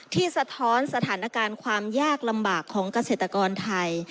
สะท้อนสถานการณ์ความยากลำบากของเกษตรกรไทย